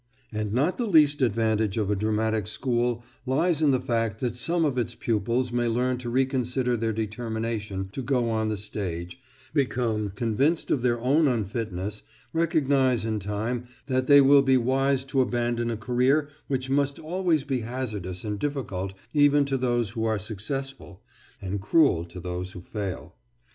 And not the least advantage of a dramatic school lies in the fact that some of its pupils may learn to reconsider their determination to go on the stage, become convinced of their own unfitness, recognise in time that they will be wise to abandon a career which must always be hazardous and difficult even to those who are successful, and cruel to those who fail.